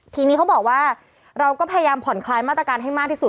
ทีนี้เขาบอกว่าเราก็พยายามผ่อนคลายมาตรการให้มากที่สุด